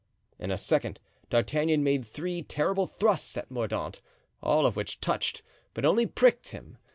In a second D'Artagnan had made three terrible thrusts at Mordaunt, all of which touched, but only pricked him.